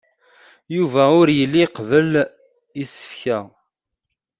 Yuba ur yelli iqebbel isefka.